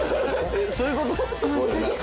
えっそういうこと？